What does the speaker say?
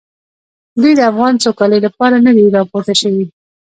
دوی د افغان سوکالۍ لپاره نه دي راپورته شوي.